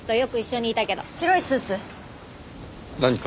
何か？